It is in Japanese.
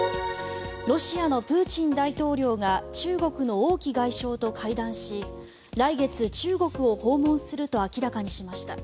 ロシアのプーチン大統領が中国の王毅外相と会談し来月、中国を訪問すると明らかにしました。